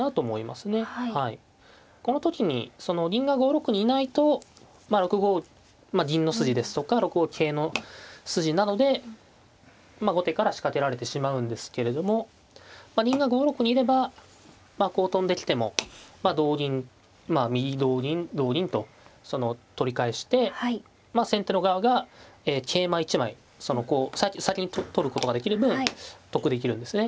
この時に銀が５六にいないと６五銀の筋ですとか６五桂の筋などで後手から仕掛けられてしまうんですけれども銀が５六にいればこう跳んできても同銀まあ右同銀同銀と取り返して先手の側が桂馬１枚先に取ることができる分得できるんですね。